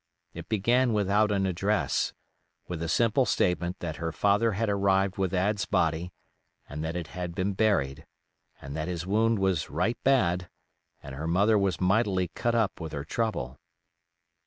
It began without an address, with the simple statement that her father had arrived with Ad's body and that it had been buried, and that his wound was right bad and her mother was mightily cut up with her trouble.